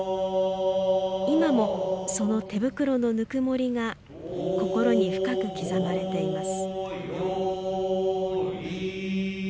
今も、その手袋のぬくもりが心に深く刻まれています。